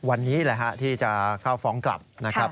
วันนี้แหละฮะที่จะเข้าฟ้องกลับนะครับ